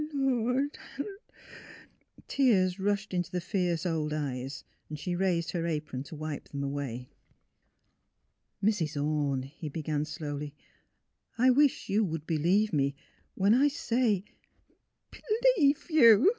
Lord! " Tears rushed into the fierce old eyes ; she raised her apron to wipe them away. " Mrs. Orne," he began, slowly, '^ I wish you would believe me, when I say "'' B 'lieve you